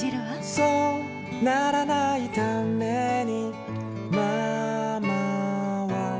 「そうならないためにママは」